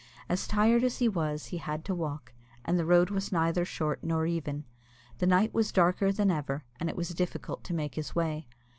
As tired as he was, he had to walk, and the road was neither short nor even. The night was darker than ever, and it was difficult to make his way.